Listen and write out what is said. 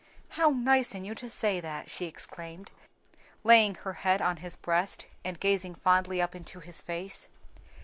"How nice in you to say that!" she exclaimed, laying her head on his breast and gazing fondly up into his face.